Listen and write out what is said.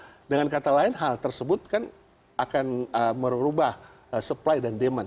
nah dengan kata lain hal tersebut kan akan merubah supply dan demand